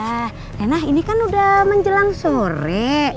eh rena ini kan udah menjelang sore